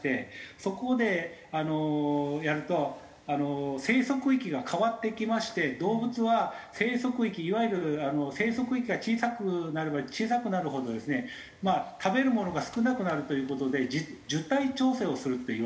そこでやるとあの生息域が変わってきまして動物は生息域いわゆる生息域が小さくなれば小さくなるほどですねまあ食べる物が少なくなるという事で受胎調整をするといわれていまして。